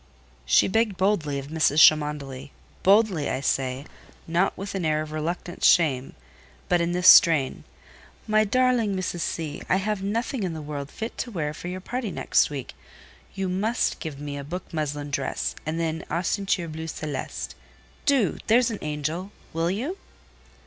She begged boldly of Mrs. Cholmondeley—boldly, I say: not with an air of reluctant shame, but in this strain:— "My darling Mrs. C., I have nothing in the world fit to wear for your party next week; you must give me a book muslin dress, and then a ceinture bleu celeste: do—there's an angel! will you?"